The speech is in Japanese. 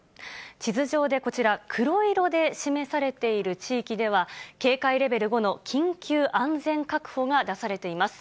地図上でこちら、黒色で示されている地域では、警戒レベル５の緊急安全確保が出されています。